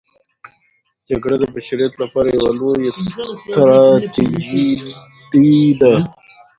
جګړه د بشریت لپاره یوه لویه تراژیدي ده.